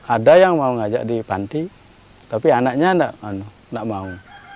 ada yang mau ngajak di panti tapi anaknya tidak mau